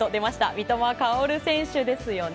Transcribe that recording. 三笘薫選手ですね。